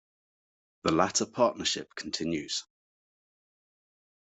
The latter partnership continues.